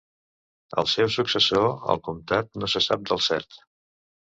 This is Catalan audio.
El seu successor al comtat no se sap del cert.